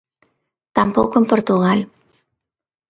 Tampouco en Portugal.